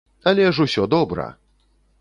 Але ж усё добра!